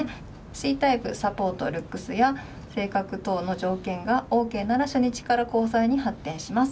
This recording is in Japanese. Ｃタイプサポートルックスや性格等の条件がＯＫなら初日から交際に発展します。